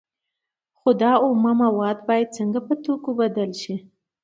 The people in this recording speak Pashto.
خو دا اومه مواد باید څنګه په توکو بدل شي